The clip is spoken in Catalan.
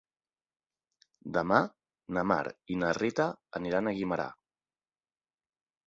Demà na Mar i na Rita aniran a Guimerà.